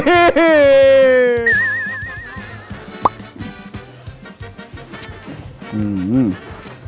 เฮ้ย